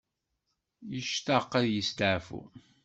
Yectaq ad yesteɛfu.